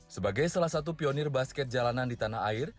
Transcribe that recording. sebagai salah satu pionir basket jalanan di tanah air